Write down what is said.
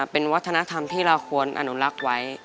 เป็นวัฒนธรรมที่เราควรอนุรักษ์ไว้